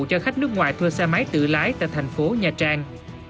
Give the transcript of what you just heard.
cho khách nước ngoài thuê xe máy tự lái tại thành phố nha trang